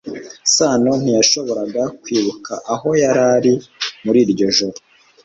sano ntiyashoboraga kwibuka aho yari ari muri iryo joro